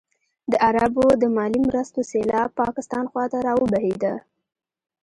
د عربو د مالي مرستو سېلاب پاکستان خوا ته راوبهېده.